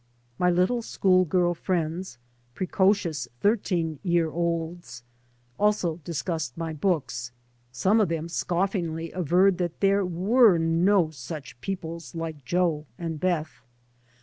My little school girl friends, precocious thirteen year olds, also discussed my books. Some of them scoffingly averred that there were " no such peoples like Jo and Beth."